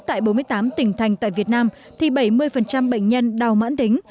tại bốn mươi tám tỉnh thành tại việt nam thì bảy mươi bệnh nhân đau mãn tính